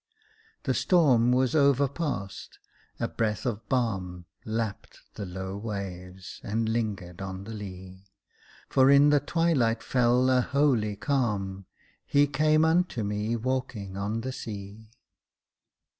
The storm was overpast, a breath of balm Lapped the low waves, and lingered on the lea, For in the twilight fell a holy calm, He came unto me walking on the sea.